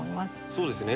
そうですね。